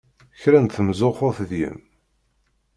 Kra n temzuxxut deg-m!